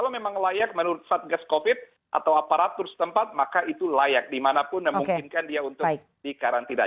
jika dia tidak menurut fat gas covid atau aparatur setempat maka itu layak dimanapun dan memungkinkan dia untuk di karantina